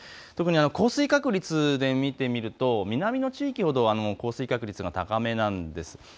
特に降水確率で見ると南の地域ほど降水確率が高めです。